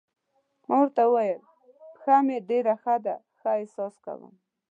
ما ورته وویل: پښه مې ډېره ښه ده، ښه احساس کوم.